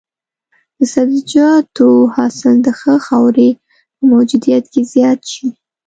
د سبزیجاتو حاصل د ښه خاورې په موجودیت کې زیات شي.